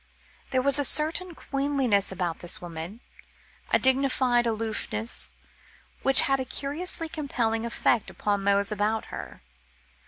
There was a certain queenliness about this woman, a dignified aloofness, which had a curiously compelling effect upon those about her.